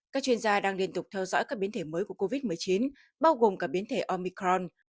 các chuyên gia đang liên tục theo dõi các biến thể mới của covid một mươi chín bao gồm cả biến thể omicron